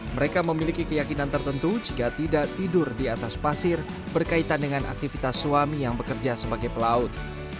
mereka memiliki keyakinan tertentu jika tidak tidur di atas pasir berkaitan dengan aktivitas suami yang bekerja sebagai pelaut